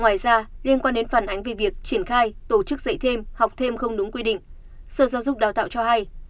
ngoài ra liên quan đến phản ánh về việc triển khai tổ chức dạy thêm học thêm không đúng quy định sở giáo dục đào tạo cho hay